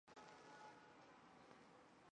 樱井孝宏为日本男性声优。